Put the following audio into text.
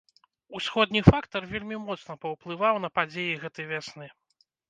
Усходні фактар вельмі моцна паўплываў на падзеі гэтай вясны.